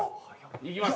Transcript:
いきます。